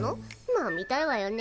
まあ見たいわよね。